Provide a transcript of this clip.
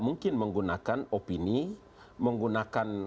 mungkin menggunakan opini menggunakan